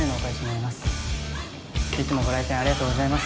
いつもご来店ありがとうございます。